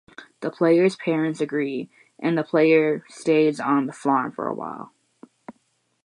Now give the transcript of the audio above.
The player's parents agree, and the player stays on the farm for a while.